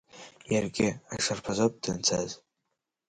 Иаргьы ашарԥазоуп данцаз.